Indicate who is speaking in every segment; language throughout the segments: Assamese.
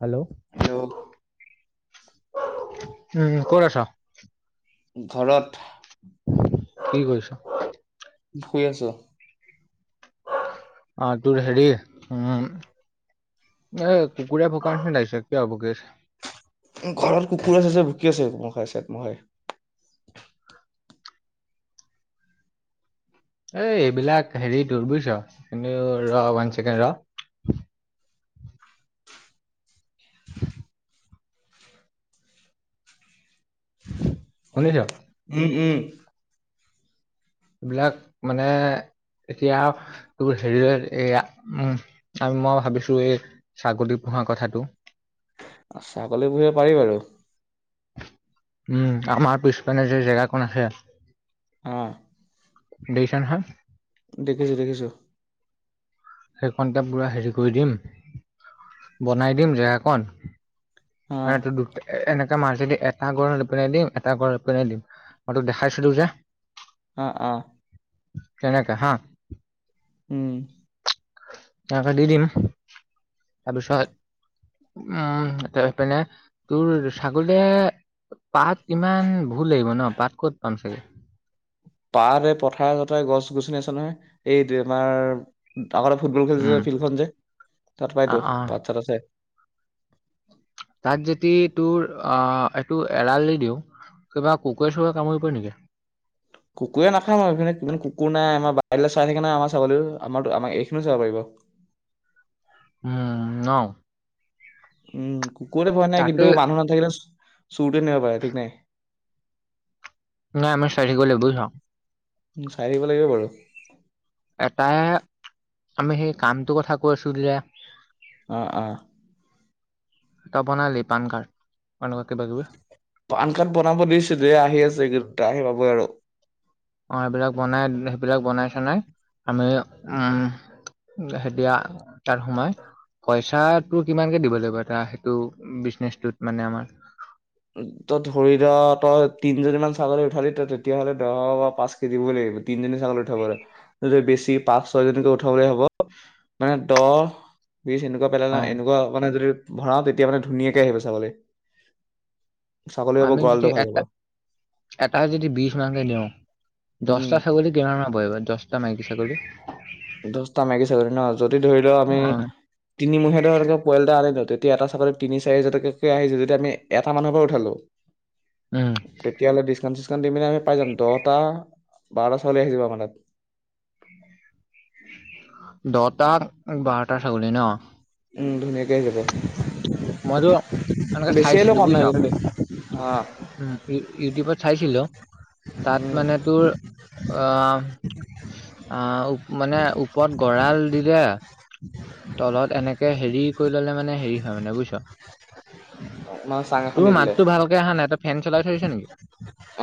Speaker 1: হেল্ল' উম
Speaker 2: হেল্ল'
Speaker 1: ক'ত আছা?
Speaker 2: ঘৰত-
Speaker 1: কি কৰিছ?
Speaker 2: শুই আছো।
Speaker 1: অ তোৰ হেৰি উম। এ কুকুৰে ভোকা শুনিছো পোৰা ভোকি আছে।
Speaker 2: চ মহয়
Speaker 1: এই এইবিলাক হেৰি তোৰ বুজিছ কিন্তু ৰ ওৱান চছেকেণ্ড ৰ [unintelligible] শুনিছা উম উম এইবিলাক মানে এতিয়া তোৰ হেৰি এয়া উম আৰু মই ভাবিছো এই ছাগলী পোহা কথাটো।
Speaker 2: ছাগল, পুহিব পাৰিম আৰু
Speaker 1: উম আমাৰ পিছপানে যে জেগাখন আছে।
Speaker 2: আহ
Speaker 1: দিছে নহয়।
Speaker 2: দেখিছো দেখিছো।
Speaker 1: সেইকণ প বৰা হেৰি কৰি দিম বনাই দিম জেগাকন।
Speaker 2: আহ
Speaker 1: অ তটো দু এনে মেদি এটা গড় লপিনাই দিম এটা গড় লপিয়াই দিম মই তোক দেখাইছিলো যে
Speaker 2: অ অ
Speaker 1: তেনেকা হা
Speaker 2: উম।
Speaker 1: এ দি দিম তাৰপিছত। উম এইপিনে তোৰ ছাগলীয়ে পাত ইমান ভুল লাগিব ন পাত ক'ত পাম চাগে
Speaker 2: পাত এই পথাৰ চথাৰ গছ গছনি আছে নহয় এই তোমাৰ আগতে ফুটবল
Speaker 1: উম
Speaker 2: খেলিছে ফিল্ডখন যে তাত
Speaker 1: অ
Speaker 2: পাইতো
Speaker 1: অ
Speaker 2: পচ চাত আছে।
Speaker 1: জটি টোৰ আ এইটো এৰাল দি দিওঁ কিবা কুকুৰে চুকুৰে কামুৰিব নিকি?
Speaker 2: কুকুৰে নাখাম ম এইনে ইমান কুকুৰ নাই আমাৰ বাৰ চাই থাকে নাই আমাৰ ছাগলীও আমাৰো আমাক এইখিনিও চাব পাৰিব।
Speaker 1: উম ন।
Speaker 2: উম কুকুৰে ভোৱা নাই
Speaker 1: তাকে
Speaker 2: কিন্তু মানুহৰ ধেই আছে। চু কেনেকে পাই থিক নাই।
Speaker 1: নাই আমাৰ গ'লে গ'ল আও বুইছ
Speaker 2: উ চাই থাকিব লাগিব বাৰু
Speaker 1: এটাই আমি সেই কামটো কথা কৈছো দিয়া।
Speaker 2: অ, অ।
Speaker 1: তই বনালি পান কাৰ্ড? এনেকুৱা কিবা কিবি?
Speaker 2: পানকাৰ্ড বনাব দিছো দ আহি আছে। দে আহি পাবই আৰু।
Speaker 1: অ সেইবিলাক বনাই সেইবিলাক বনাই চনাই আমি উম উম হে দিয়া তাত সোমাই পইচাটো কিমানকে দিব লাগিব এটা সেইটো বিজনেচটোত মানে আমাৰ?
Speaker 2: তই ধৰি ল তই তিনজনী মান ছাগলী উঠালি ত তেতিয়া হ'লে দহ বা পাঁচ কে দিবই লাগিব। তিনিজনী ছাগলি উঠাব হলে। তই যদি বেছি পাঁচ ছয় জনীক উঠাবলৈ হব, মানে দহ বিছ এনেকুৱা পেল
Speaker 1: অ
Speaker 2: এনেকুৱা মানে যদি ভৰাও, তেতিয়া মানে ধুনীয়াকে আহিব ছাগলী। ছাগলী হ'ব
Speaker 1: আমি যদি
Speaker 2: গঁৰালটো ভাল হ'ব
Speaker 1: এটা, এটা যদি বিছ মানকে দিওঁ
Speaker 2: উম
Speaker 1: দছটা ছাগলী কিমানমান বহিব? দচটা মাইকী ছাগলী?
Speaker 2: দছটা মাইকী ছাগলী ন? যদি ধৰি লও
Speaker 1: অ
Speaker 2: আমি তিনিমুহীয়া ধৰ পোৱালি এটা আনিলো, তেতি এতিয়া ছাগলীত তিনি চাৰি হাজাৰ টকাকে আহি যায়। এতিয়া আমি এটা মানুহৰ ঘৰৰ পৰা উঠালো
Speaker 1: উম
Speaker 2: তেতিয়াহলে ডিচকাউণ্ট চিচকাউণ্ট দি মেলি আমি পাই যাম, দহটা বাৰটা ছাগলী আহি যাব আমাৰ তাত।
Speaker 1: দহটা, বাৰটা ছাগলী ন?
Speaker 2: উম ধুনীয়াকে আহি যাব।
Speaker 1: মইতো এনেকে
Speaker 2: বেছি হলেও
Speaker 1: চাইছিলো
Speaker 2: কম
Speaker 1: বুজিছ
Speaker 2: নাই কিন্তু দে।
Speaker 1: উম, ইউ-ইউটিউবত চাইছিলো তাত
Speaker 2: উম
Speaker 1: মানে তোৰ অ আহ মানে ওপৰত গঁৰাল দিলে তলত এনেকে হেৰি কৰি ললে মানে হেৰি হয় মানে বুইছ।
Speaker 2: মানে চাং এখন
Speaker 1: তোৰ
Speaker 2: দি দিলে
Speaker 1: মাতটো ভালকে আহা নাই, তই ফেন চলাই থৈছ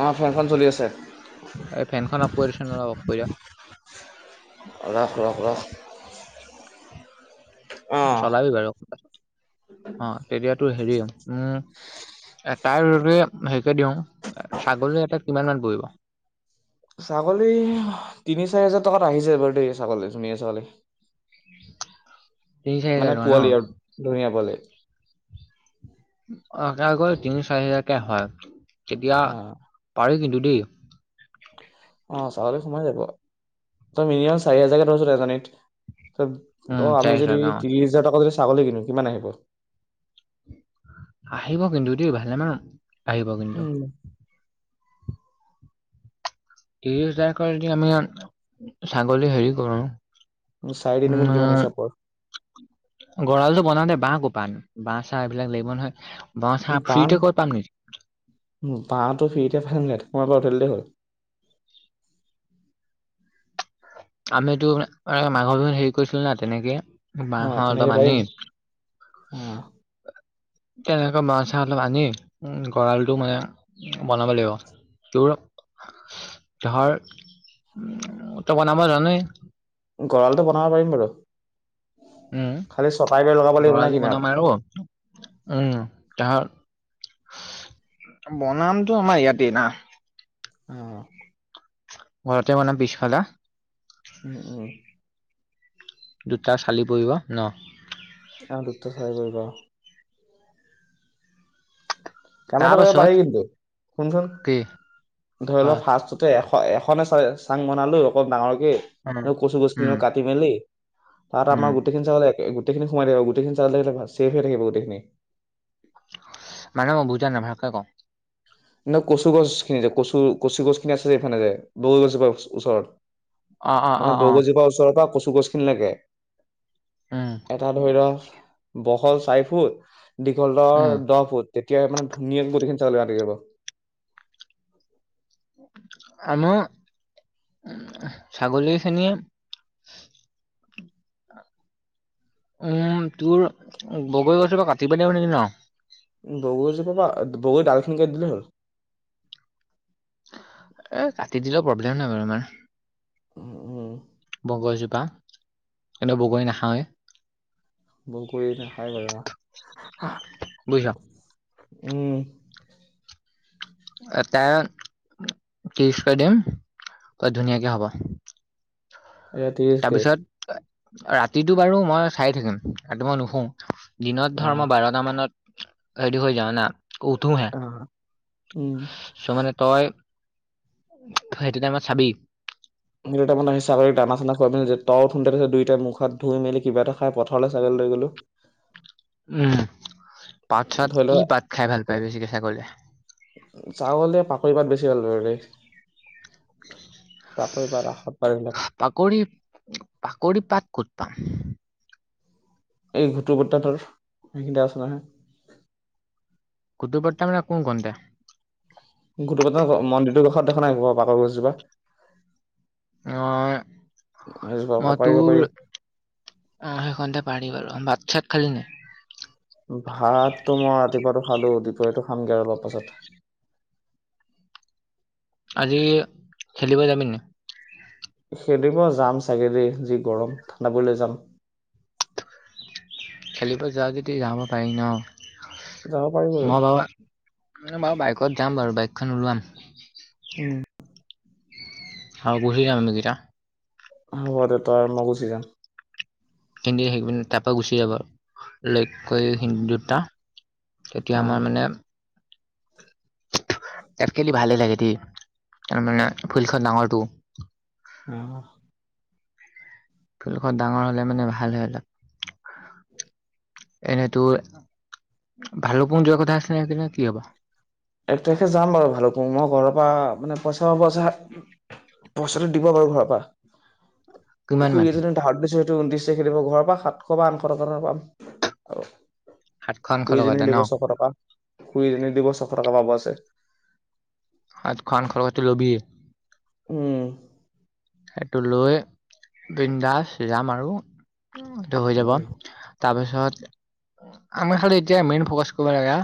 Speaker 2: অ ফেনখন চলি আছে
Speaker 1: এই ফেনখন অফ কৰি দেচোন অলপ অফ কৰি দিয়া।
Speaker 2: ৰখ-ৰখ-ৰখ।
Speaker 1: চলাবি বাৰু। অ তেতিয়াতো হেৰি, উম তাৰ যদি হেৰিকে দিওঁ, ছাগলী এটাত কিমান মান পৰিব?
Speaker 2: ছাগলী তিনি, চাৰি হাজাৰ টকাত আহি যায় বাৰু দেই ছাগলী, ধুনীয়া ছাগলী।
Speaker 1: তিনি চাৰি হাজাৰ
Speaker 2: মানে
Speaker 1: টকা ন
Speaker 2: পোৱালি আৰু ধুনীয়া পোৱালি। [inaudible]
Speaker 1: অ যাৰ ঘৰত তিনি, চাৰি হাজাৰকে হয়, তেতিয়া
Speaker 2: অ
Speaker 1: পাৰি কিন্তু। দেই
Speaker 2: অহ, ছাগলী সোমাই যাব। তই মিনিমাম চাৰি হাজাৰকে ধৰচোন এজনীত। ত ত
Speaker 1: উম
Speaker 2: আমি
Speaker 1: চাৰি হাজাৰ
Speaker 2: যদি
Speaker 1: টকা অ
Speaker 2: ত্ৰিছ হাজাৰ টকা যদি ছাগলী কিনো, কিমান আহিব?
Speaker 1: আহিব কিন্তু দেই, ভালেমান আহিব কিন্তু।
Speaker 2: উম
Speaker 1: ত্ৰিছ হাজাৰকৈ যদি আমি ছাগলী হেৰি কৰো
Speaker 2: চাৰি তিনি গুণ কিমান
Speaker 1: উম,
Speaker 2: হিচাপ কৰ
Speaker 1: গঁৰালটো বনাওতে বাহ ক পা আনিম? বাঁহ চাহ এইবিলাক লাগিব নহয়। বাঁহ চাহ
Speaker 2: বাঁহ,
Speaker 1: ফ্ৰীতে ক'ত পাম নেকি
Speaker 2: বাঁহটো ফিৰিতে পাম নাই, তোমাৰ পৰা উঠাই দিলেই হল। [inaudible]
Speaker 1: আমিতো মাঘৰ বিহুত হেৰি কৰিছিলো না তেনেকে।
Speaker 2: অ
Speaker 1: বাঁহৰ
Speaker 2: তেনেকে
Speaker 1: এটা
Speaker 2: পাৰিম
Speaker 1: বানিক
Speaker 2: অ
Speaker 1: তেনেকোৱা মা চা অলপ আনি উ গঁৰালটো মানে বনাব লাগিব। তোৰ ধৰ উম তই বনাব জানই।
Speaker 2: গঁৰা়লটো বনাব পাৰিম বাৰু।
Speaker 1: উম
Speaker 2: খালি চকাৰ গীয়াৰ লগাব লাগিব না
Speaker 1: গঁৰালটো বনাম
Speaker 2: কিনাৰত।
Speaker 1: আৰু উম তা বনামটো আমাৰ ইয়াতে না।
Speaker 2: অ।
Speaker 1: ঘৰতে বনাম পিছফালে।
Speaker 2: উম উম
Speaker 1: দুটা চালি পৰিব, ন?
Speaker 2: আহ দুপ্ত চাৰে কৰিব। কাম
Speaker 1: তাৰ
Speaker 2: এটা কৰিব
Speaker 1: পাছত
Speaker 2: পাৰি কিন্তু শুনচোন
Speaker 1: কি
Speaker 2: ধৰি
Speaker 1: অ
Speaker 2: ল' ফাৰ্ষ্টততে। এখনে চ চাং বনালো, অলপ ডাঙৰকে
Speaker 1: উম
Speaker 2: কচু
Speaker 1: উম
Speaker 2: গছখিনি কাটি মেলি তাত
Speaker 1: উম
Speaker 2: আমাৰ গোটেইখিনি ছাগলী, গোটেইখিনি সোমাই থাকিব গোটেইখিনি চাগলি নিলে ঞিয়ৰি থাকিব গোটেইখিনি।
Speaker 1: মানে মই বুজা নাই ভালকে ক?
Speaker 2: নহয় কচু গছ খিনি যে, কচু কচু গছ খিনি আছে যে এইফালে যে বগৰি গছজোপাৰ ওচ ওচৰত।
Speaker 1: অ অ
Speaker 2: মানে
Speaker 1: অ অ
Speaker 2: বৰগজোপা ওচৰৰ পৰা কচু গছ খিনিলৈকে।
Speaker 1: উম
Speaker 2: এটা ধৰি ল বহল চাৰি ফুট, দীঘল দৰ
Speaker 1: উম
Speaker 2: দহ ফুট। তেতিয়া মানে ধুনীয়াকে গোটেইখিনি চাই থি যাব।
Speaker 1: আমা। উ ছাগলীখিনি, উম, তোৰ বগৰী গছৰ পৰা কাটিবা দিব নেকি ন?
Speaker 2: বগৈ ডালখনিনিক দিলে হ'ল।
Speaker 1: এ কাটি দিলেও প্ৰব্লেম নাই বাৰু আমাৰ।
Speaker 2: উম, উম,
Speaker 1: বহ গছজোপা। কিন্তু বগৰী নাখওৱে।।
Speaker 2: বগৰি নেখাই বাৰু
Speaker 1: বুইছ।
Speaker 2: উম।
Speaker 1: তাই ত্ৰিছ কৰি দিম অ ধুনীয়াকে হ'ব।
Speaker 2: এয়া এিছ কে
Speaker 1: তাৰপিছত ৰাতিটো বাৰু মই চাই থাকিম, ৰাতি মই নুহো, দিনত ধৰ
Speaker 2: অ',
Speaker 1: মই বাৰটা মানত। হেৰি হৈ যাওঁ না, উঠো হে
Speaker 2: অ', উম।
Speaker 1: ত মানে তই, ত সেইটো টাইমত চাবি।
Speaker 2: সেইটো তাইমত ছাগলী দানা চানা খোবাইপিনে যে [inaudible] মুখ হাত ধুই কিবা এটা। খাই পথাৰলৈ ছাগে লৈ গলো।
Speaker 1: উম পাত চাত
Speaker 2: ধৰি
Speaker 1: কি
Speaker 2: লোৱা
Speaker 1: পাত খাই ভাল পায় বেছিকৈ ছাগলীয়ে?
Speaker 2: চাউলে পাকৰি পাত বেছি ভাল হয়ৰে। [unintelligible] ৰাসত পাই এইবিলাক।
Speaker 1: কৰি পাত কত পাম?
Speaker 2: এই ঘুটুক হতৰ তাত সেইখিনিতে আছে নহয়।
Speaker 1: কুদ পাৰট ম ন কোনটা?
Speaker 2: গুটোক হতৰ মন্দিৰটোৰ কাষত দেখা নাই ক পাটৰ গছজোপা?
Speaker 1: অ
Speaker 2: সেইটো
Speaker 1: মই
Speaker 2: পাৰিব
Speaker 1: তোৰ
Speaker 2: পাৰি
Speaker 1: অ সেইখনতে পাৰি বাৰু। ভাত চাত খালি নাই?
Speaker 2: ভাতটো মই ৰাতিপুৱাটো খালো, দুপৰীয়াটো খামগে আৰু অলপ পাছত।
Speaker 1: আজি খেলিব যাবি নে?
Speaker 2: সেইদিন মই যাম চাগে ৰে যি গৰম ঠাণ্ডা হ'লে যাম।
Speaker 1: খেলিব যোৱা যদি যাব পাৰি ন?
Speaker 2: যাব পাৰি বাৰু
Speaker 1: মই বাৰু মই বাইকত যাম বাৰু বাইকখন ওলোৱাম।
Speaker 2: উম।
Speaker 1: আৰু বহি আমিকেইটা।
Speaker 2: হ'ব দে তই আৰু মই গুচি যাম।
Speaker 1: কিন্তু হেৰি তাৰ পৰা গুচি যাব আৰু ল কৰি দুটা। তেতিয়া
Speaker 2: অ
Speaker 1: আমাৰ মানে তাত খেলি ভালেই লাগে দেই। তাৰমানে ফিল্ডখন ডাঙৰটো।
Speaker 2: অ।
Speaker 1: ফিল্ডখন ডাঙৰ হলে মানে ভাল হৈ ন। এনেই তোৰ, ভালুকপুং যোৱাৰ কথা আছিলে সদিনা কি হ'বা।
Speaker 2: এক তাৰিখে যাম বাৰু এফালৰ পৰা মই ঘৰৰ পৰা মানে পইচা পাব আছে পইচাটো দিব পাৰো ঘৰৰ পৰা।
Speaker 1: কিমান মান
Speaker 2: খুৰী এজনি ধাৰত বিছা সেই টো ওনতিশ তাৰিখে ঘৰৰ পৰা সাতশ বা আঠশ টকা পাম আৰু
Speaker 1: সাতখন
Speaker 2: খুৰি
Speaker 1: খলকতে
Speaker 2: এজনীয়ে
Speaker 1: ন
Speaker 2: দিব ছশ টকা, খুৰিএজনীৰ দিব ছশ টকা পাব আছে।
Speaker 1: সাতশ আঠশ টকা লবি
Speaker 2: উম।
Speaker 1: সেইটো লৈ বৃন্দাচ যাম আৰু টো হৈ যাব
Speaker 2: উম
Speaker 1: তাৰপিছত আমাৰ খালি এতিয়া মেইন ফকাচ কৰিব লাগে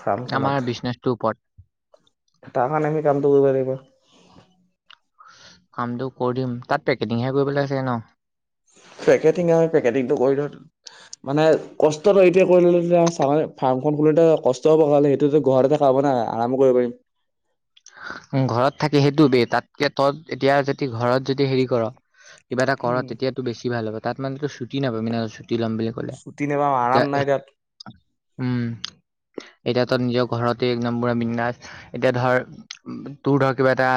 Speaker 2: ফাৰ্মখনত
Speaker 1: আমাৰ বিজনেচৰ ওপৰত
Speaker 2: তাৰ কাৰণে আমি কামটো কৰিব লাগিব।
Speaker 1: কামটো কৰিম তাত পেকেটিংহে কৰিব লাগিছে ন।
Speaker 2: পেকেটিং আ পেকেটিংটো কৰিলোহেঁতেন মানে কষ্ট এতিয়া কৰিললো যেতিয়া ছাগলী ফাৰ্ম খন খোলোতে কষ্ট হব খালী সেইটো যে ঘৰতে খাব আৰামো কৰিব পাৰিম
Speaker 1: [inaudible] ঘৰত থাকে সেইটো বে তাতকে তত এতিয়া যদি ঘৰত যদি হেৰি কৰ কিবা এটা কৰ
Speaker 2: উম।
Speaker 1: তেতিয়াতো বেছি ভাল হ'ব তাত মানতো ছুটি নাপাবি ছু তি লম বুলি ক'লে
Speaker 2: ছুটি নাপাম
Speaker 1: এতিয়া
Speaker 2: আৰাম নাই তাত।
Speaker 1: উম এতিয়াতো নিজৰ ঘৰতে একদম পুৰা বিন্দাছ এতিয়া ধৰ তোৰ ধৰ কিবা এটা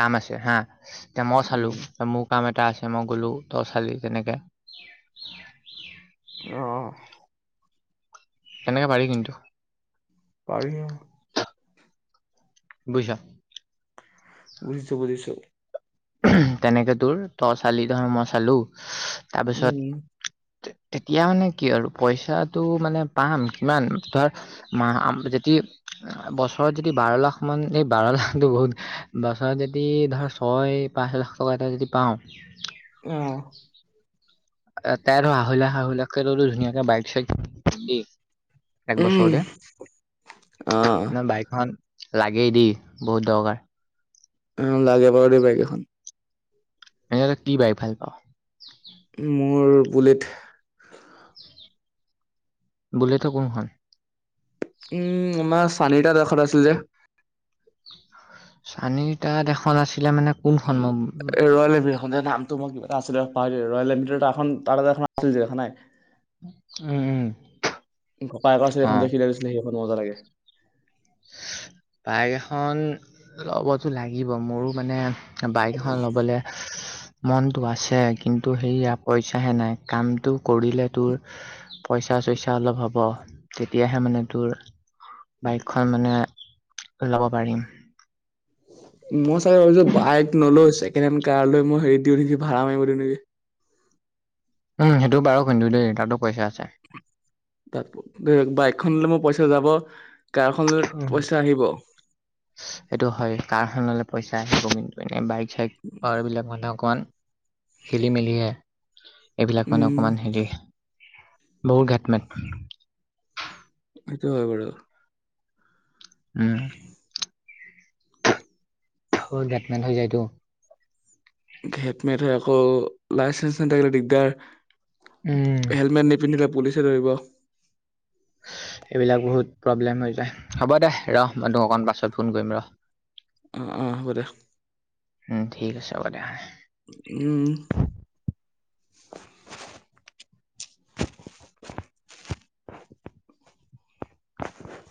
Speaker 1: কাম আছে হা এতিয়া মই চালো
Speaker 2: উম,
Speaker 1: মোৰ কাম এটা এটা আছে মই গলো তই ছালি তেনেকে
Speaker 2: অহ
Speaker 1: হেনেকে পাৰি কিন্তু
Speaker 2: পাৰিম।
Speaker 1: বুইছ
Speaker 2: বুজিছো বুজিছো।
Speaker 1: তেনেকে তোৰ তই চালি তহ মই চালো তাৰপিছত
Speaker 2: উম।
Speaker 1: তেতিয়া মানে কি আৰু পইচাটো মানে পাম কিমান ধৰ মা যেতি- বছৰত যদি বাৰ লাখ মান এই বাৰ লাখটো বহুত বছৰত যদি ধৰ ছয়, পাঁচ লাখ টকা এটা যদি পাওঁ
Speaker 2: আহ,
Speaker 1: তাই ধৰ আঢ়ৈলাখ আঢ়ৈ লাখ কে ধুনীয়াকে বাইক চাইক কিনি
Speaker 2: উম,
Speaker 1: একবছৰতে
Speaker 2: অ',
Speaker 1: বাইকখন, লাগেই দি বহুত দৰকাৰ
Speaker 2: অ লাগে বাৰু দেই বাইক এখন
Speaker 1: এনে তই কি বাইক ভাল পাওঁ
Speaker 2: মোৰ বুলেট
Speaker 1: বুলেটৰ কোনখন
Speaker 2: উম আমাৰ চানিটা দেখত আছিলে যে
Speaker 1: চানি তাত এখন আছিলে মানে কোনখন মম
Speaker 2: এ নামটো ম কিবা এটা আছিলে মই পাহৰি থাকিলো ৰয়েল এনট্ৰেটাখন তাৰ যে এখন আছিল জে দেখানাই
Speaker 1: উম উম
Speaker 2: কপা এখন আছিলে সেইখন
Speaker 1: অঁ
Speaker 2: দেখি থৈ গৈছিলে সেইখন মজা লাগে
Speaker 1: বাইক এখন ল'বতো লাগিব মোৰো মানে বাইক এখন লবলে মনটো আছে কিন্তু সেইয়া পইচাহে নাই কামটো কৰিলে তোৰ পইচা চইচা অলপ হ'ব তেতিয়াহে মানে তোৰ বাইক খন মানে ল'ব পাৰিম।
Speaker 2: মই চাগে ভাবিছো বাইক নলৈ ছেকেণ্ড হেণ্ড কাৰ লৈ মই হেৰি দিওঁ নেকি ভাড়া মাৰিব দিওঁ নেকি
Speaker 1: উম সেইটো বাৰু খুন্দো দেই তাতো পইচা আছে [unintelligible]
Speaker 2: তাত ধৰিক বাইকখনলৈ মোৰ পইচা যাব। [unintelligible] কাৰখনত
Speaker 1: উম।
Speaker 2: পইচা আহিব।
Speaker 1: কাৰখনলৈ পইচা আহিব কিন্তু এনেই বাইক চাইক হোৱাৰ বিলাক মতে অকণমান [unintelligible] খেলি মেলিহে এইবিলাক মানে
Speaker 2: উম
Speaker 1: অকমান হেৰি বহুত ঘাট মাত
Speaker 2: সেটো হয় বাৰু
Speaker 1: উম [unintelligible] টো [unintelligible]
Speaker 2: হেটমেট আকৌ লাইচেঞ্চ নাথাকিলে দিগদাৰ
Speaker 1: উম
Speaker 2: [unintelligible] হেলমেট নিপিন্ধিলে পুলিচে ধৰিব।
Speaker 1: এইবিলাক বহুত প্ৰব্লেম হৈ যায় হ'ব দে ৰহ মই তো অকমান পাছত ফোন কৰিম ৰহ
Speaker 2: অ হ'ব দে
Speaker 1: উম ঠিক আছে হ'ব দে
Speaker 2: উম
Speaker 1: [inaudible] [inaudible]